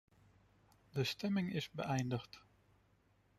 De stemming is beëindigd.